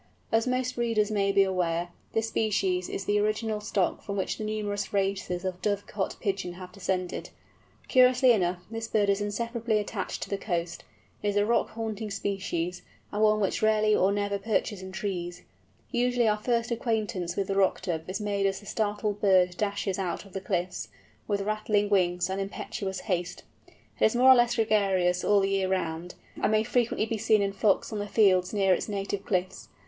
As most readers may be aware, this species is the original stock from which the numerous races of dovecot Pigeon have descended. Curiously enough, this bird is inseparably attached to the coast; it is a rock haunting species, and one which rarely or never perches in trees. Usually our first acquaintance with the Rock Dove is made as the startled bird dashes out of the cliffs, with rattling wings and impetuous haste. It is more or less gregarious all the year round, and may frequently be seen in flocks on the fields near its native cliffs.